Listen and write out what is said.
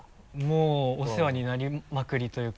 もうお世話になりまくりというか。